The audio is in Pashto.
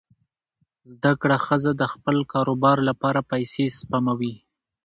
زده کړه ښځه د خپل کاروبار لپاره پیسې سپموي.